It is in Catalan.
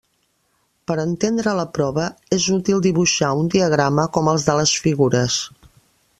Per entendre la prova, és útil dibuixar un diagrama com els de les figures.